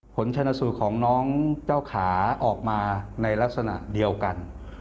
ผลชนสูตรของน้องเจ้าขาออกมาในลักษณะเดียวกัน